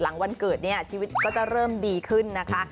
วันเกิดเนี่ยชีวิตก็จะเริ่มดีขึ้นนะคะ